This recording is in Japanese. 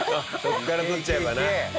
ここから取っちゃえばな。